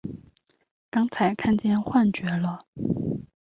刚才看见幻觉了！